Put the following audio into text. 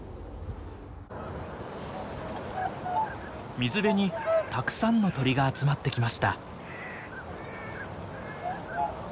水辺にたくさんの鳥が集まってきました。